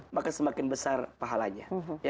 maka semakin besar pahalanya